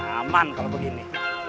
aman kalau begini